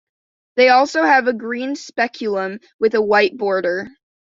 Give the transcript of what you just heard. They also have a green speculum with a white border.